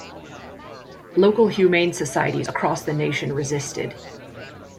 Local humane societies across the nation resisted.